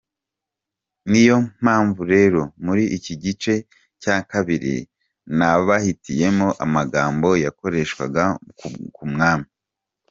Niyo mpamvu rero muri iki gice cya kabiri nabahitiyemo amagambo yakoreshwaga ku Mwami.